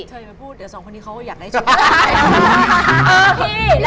เธอยังไม่พูดเดี๋ยวสองคนนี้เขาก็แยกได้ชุด